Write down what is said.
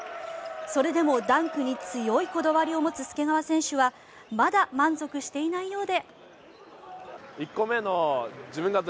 それでもダンクに強いこだわりを持つ介川選手はまだ満足していないようで。